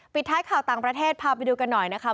ปิดท้ายข่าวต่างประเทศพาไปดูกันหน่อยนะคะ